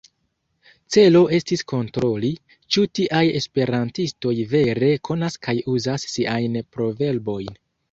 Celo estis kontroli, ĉu tiaj esperantistoj vere konas kaj uzas siajn proverbojn.